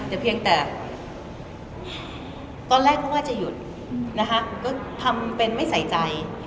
แต่เพียงแต่ตอนแรกนึกว่าจะหยุดนะคะก็ทำเป็นไม่ใส่ใจ